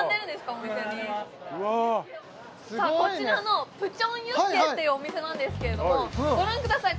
お店にさあこちらのプチョンユッケっていうお店なんですけれどもご覧ください